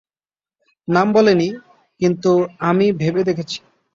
নাম বলেনি, কিন্তু আমি ভেবে দেখছি।